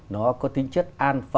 nó có tính chất an phù